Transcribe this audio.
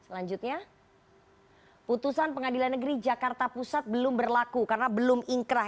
selanjutnya putusan pengadilan negeri jakarta pusat belum berlaku karena belum ingkrah